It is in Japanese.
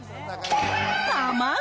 卵。